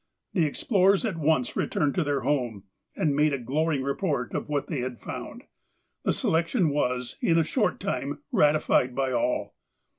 The explorers at once returned to their home, and made a glowing report of what they had found. And the selec tion was, in a short time, ratified by all.